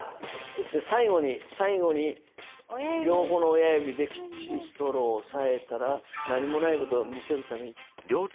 最後に両方の親指できっちりストローを押さえたら何もないことを見せるためにパッて開くんですね。